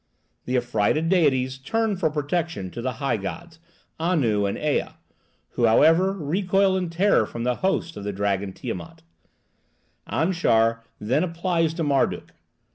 The affrighted deities turn for protection to the high gods, Anu and Ea, who, however, recoil in terror from the hosts of the dragon Tiamat. Anshar then applies to Marduk.